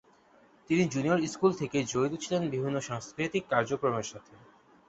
তিনি junior school থেকেই জড়িত ছিলেন বিভিন্ন সাংস্কৃতিক কার্যক্রমের সাথে।